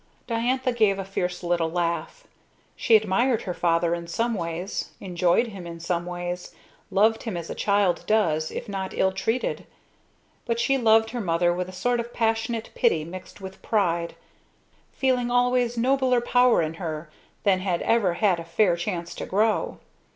Diantha gave a fierce little laugh. She admired her father in some ways, enjoyed him in some ways, loved him as a child does if not ill treated; but she loved her mother with a sort of passionate pity mixed with pride; feeling always nobler power in her than had ever had a fair chance to grow.